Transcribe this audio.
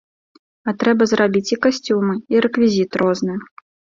А трэба зрабіць і касцюмы, і рэквізіт розны.